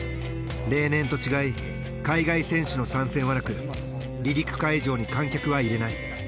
例年と違い海外選手の参戦はなく離陸会場に観客は入れない。